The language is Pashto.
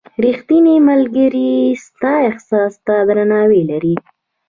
• ریښتینی ملګری ستا احساس ته درناوی لري.